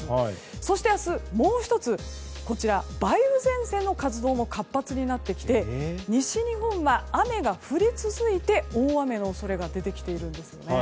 そして明日、もう１つ梅雨前線の活動も活発になってきて西日本は雨が降り続いて大雨の恐れが出てきているんですね。